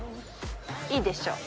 いいでしょう。